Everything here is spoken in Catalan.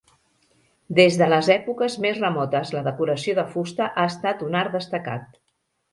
Des de les èpoques més remotes la decoració de fusta ha estat un art destacat.